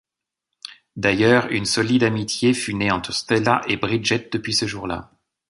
D'ailleurs une solide amitié fut née entre Stella et Bridget depuis ce jour-là.